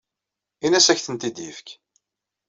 Ini-as ad ak-tent-id-yefk.